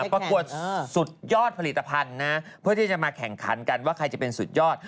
ประกวดสุดยอดผลิตภัณฑ์นะเพื่อที่จะมาแข่งขันกันว่าใครจะเป็นสุดยอด